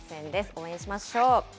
応援しましょう。